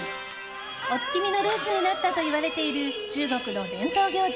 お月見のルーツになったといわれている中国の伝統行事